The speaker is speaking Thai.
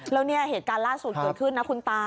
แล้วเนี่ยเหตุการณ์ล่าสุดเกิดขึ้นนะคุณตา